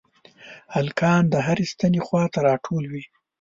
هلکان د هرې ستنې خواته راټول وي.